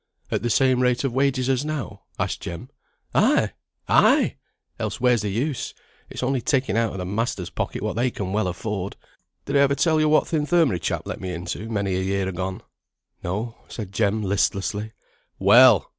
"At the same rate of wages as now?" asked Jem. "Ay, ay! else where's the use? It's only taking out o' the masters' pocket what they can well afford. Did I ever tell yo what th' Infirmary chap let me into, many a year agone?" "No," said Jem, listlessly. "Well!